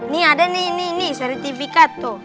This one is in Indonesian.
nih ada nih seri tvk tuh